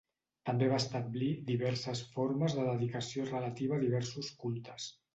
També va establir diverses formes de dedicació relativa a diversos cultes.